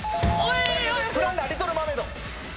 フランダーリトル・マーメイド！